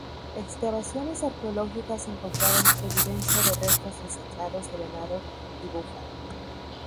Excavaciones arqueológicas encontraron evidencia de restos desechados de venado y búfalo.